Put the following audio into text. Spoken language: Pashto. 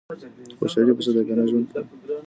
خوشحالي په صادقانه ژوند کي ده.